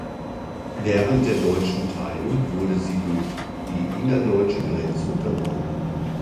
Während der Deutschen Teilung wurde sie durch die innerdeutsche Grenze unterbrochen.